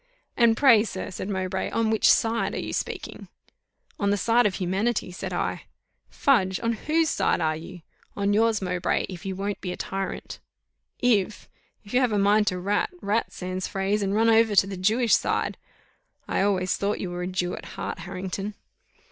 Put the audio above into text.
"And pray, sir," said Mowbray, "on which side are you speaking?" "On the side of humanity," said I. "Fudge! On whose side are you?" "On yours, Mowbray, if you won't be a tyrant." "If! If you have a mind to rat, rat sans phrase, and run over to the Jewish side. I always thought you were a Jew at heart, Harrington."